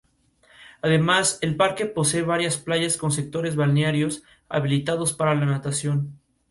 Además el parque posee varias playas con sectores balnearios habilitados para la natación.